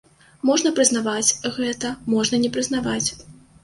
Можна прызнаваць гэта, можна не прызнаваць.